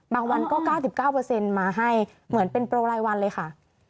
บางวันก็๙๙มาให้เหมือนเป็นโปรรายวันเลยค่ะ